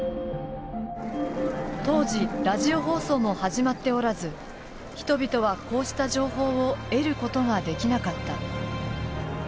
当時ラジオ放送も始まっておらず人々はこうした情報を得ることができなかった。